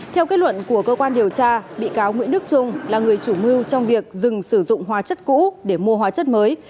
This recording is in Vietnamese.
theo kết luận của cơ quan điều tra bị cáo nguyễn đức trung là người chủ mưu trong việc dừng sử dụng hóa chất cũ để mua hóa chất mới